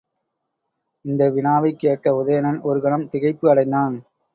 இந்த வினாவைக் கேட்ட உதயணன் ஒரு கணம் திகைப்பு அடைந்தான்.